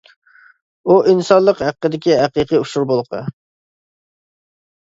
ئۇ، ئىنسانلىق ھەققىدىكى ھەقىقىي ئۇچۇر بۇلىقى!